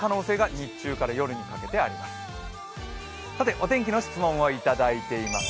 お天気の質問をいただいています。